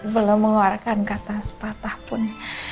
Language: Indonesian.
belum mengeluarkan kata sepatah pun